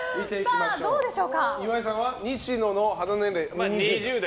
岩井さんは西野の肌年齢２０代。